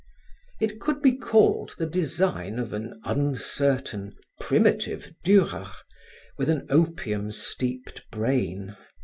It could be called the design of an uncertain, primitive Durer with an opium steeped brain.